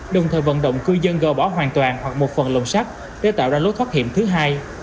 đồng thời vận động cư dân gờ bỏ hoàn toàn hoặc một phần lồng sắt để tạo ra lối thoát hiểm thứ hai